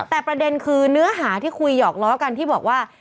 แต่ประเด็นคือเนื้อหาที่คุยหยอกล้อกันที่บอกว่า